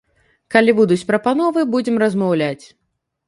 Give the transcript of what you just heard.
Калі будуць прапановы, будзем размаўляць.